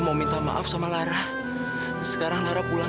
mas lihat dong kalau jalan